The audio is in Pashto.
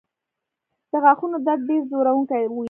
د غاښونو درد ډېر ځورونکی وي.